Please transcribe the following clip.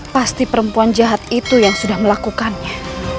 pasti perempuan jahat itu yang sudah melakukannya